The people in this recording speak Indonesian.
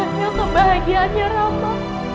hanya kebahagiaannya rama